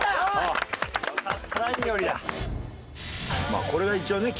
まあこれが一番ね